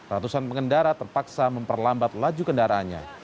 ratusan pengendara terpaksa memperlambat laju kendaraannya